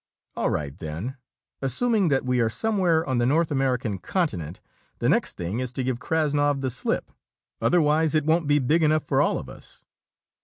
"All right, then. Assuming that we are somewhere on the North American continent, the next thing is to give Krassnov the slip; otherwise it won't be big enough for all of us!"